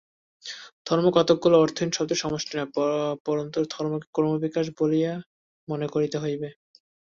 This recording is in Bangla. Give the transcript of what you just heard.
ধর্ম কতকগুলি অর্থহীন শব্দের সমষ্টি নয়, পরন্তু ধর্মকে ক্রমবিকাশ বলিয়া মনে করিতে হইবে।